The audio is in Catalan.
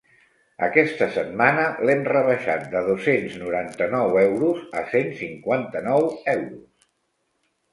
Aquesta setmana l'hem rebaixat de dos-cents noranta-nou euros a cent cinquanta-nou euros.